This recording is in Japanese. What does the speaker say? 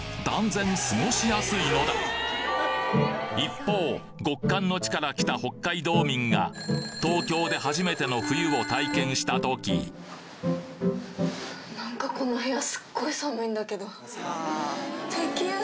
一方極寒の地からきた北海道民が東京で初めての冬を体験した時何かこの部屋すっごい寒いんだけど。